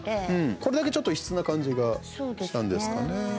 これだけ、ちょっと異質な感じがしたんですかね。